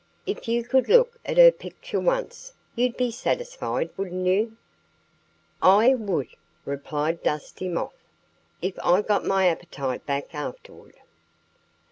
If you could look at her picture once you'd be satisfied, wouldn't you?" "I would " replied Dusty Moth "if I got my appetite back afterward."